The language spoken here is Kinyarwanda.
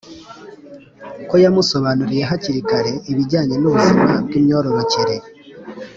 ko yamusobanuriye hakiri kare ibijyanye n’ubuzima bw’imyororoke